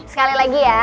sekali lagi ya